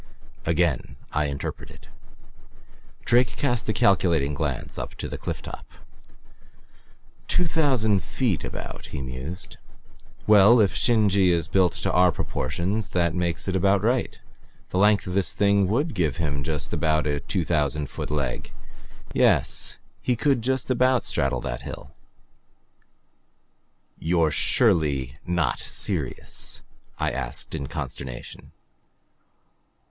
Again I interpreted. Drake cast a calculating glance up to the cliff top. "Two thousand feet, about," he mused. "Well, if Shin je is built in our proportions that makes it about right. The length of this thing would give him just about a two thousand foot leg. Yes he could just about straddle that hill." "You're surely not serious?" I asked in consternation.